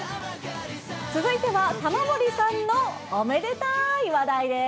続いては玉森さんのおめでたい話題です。